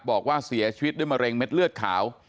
บอกว่าเสียชีวิตด้วยมะเร็งเม็ดเลือดขาว